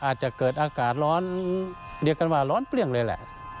อาจจะเกิดอากาศร้อนเรียกกันว่าร้อนเปรี้ยงเลยแหละ